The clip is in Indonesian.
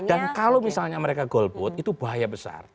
dan kalau misalnya mereka golput itu bahaya besar